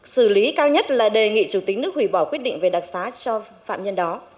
sử lý cao nhất là đề nghị chủ tính nước hủy bỏ quyết định về đặc sá cho phạm nhân đó